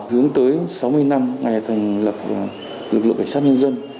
hướng tới sáu mươi năm ngày thành lập lực lượng cảnh sát nhân dân